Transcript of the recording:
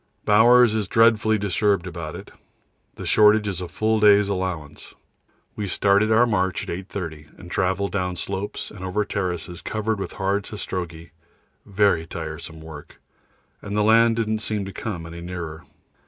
Bowers is dreadfully disturbed about it. The shortage is a full day's allowance. We started our march at 8.30, and travelled down slopes and over terraces covered with hard sastrugi very tiresome work and the land didn't seem to come any nearer.